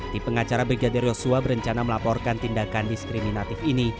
tim pengacara brigadir yosua berencana melaporkan tindakan diskriminatif ini